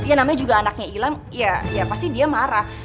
ya namanya juga anaknya ilham ya pasti dia marah